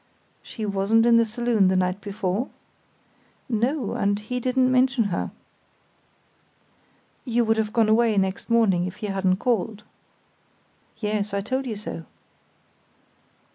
"She wasn't in the saloon the night before?" "No; and he didn't mention her." "You would have gone away next morning if he hadn't called?" "Yes; I told you so."